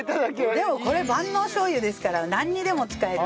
でもこれ万能しょう油ですからなんにでも使える。